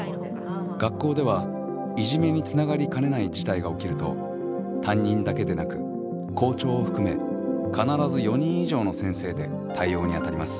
学校ではいじめにつながりかねない事態が起きると担任だけでなく校長を含め必ず４人以上の先生で対応に当たります。